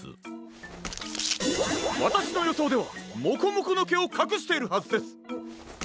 わたしのよそうではモコモコのけをかくしているはずです。